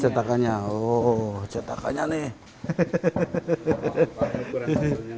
cetakannya oh cetakannya nih